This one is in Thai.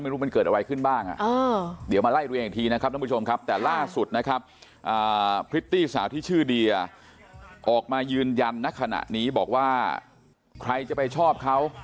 ไม่รู้ว่ามันเกิดอะไรขึ้นบ้างอ่ะอ่าเดี๋ยวมาไล่ตัวเองอีกทีนะครับ